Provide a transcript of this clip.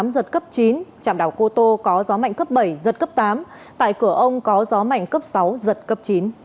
giật cấp chín trạm đảo cô tô có gió mạnh cấp bảy giật cấp tám tại cửa ông có gió mạnh cấp sáu giật cấp chín